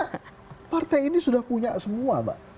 karena partai ini sudah punya semua mbak